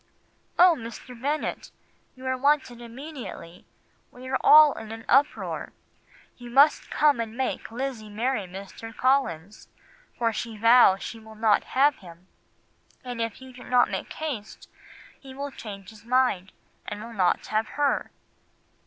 "'Oh, Mr. Bennet, you are wanted immediately; we are all in an uproar. You must come and make Lizzie marry Mr. Collins, for she vows she will not have him; and if you do not make haste he will change his mind and not have her.